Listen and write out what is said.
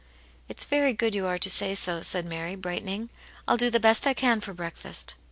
"It's very good you are to say so," said Mary, brightening. " I'll do the best I can for break fast."